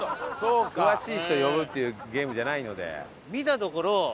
詳しい人を呼ぶっていうゲームじゃないので。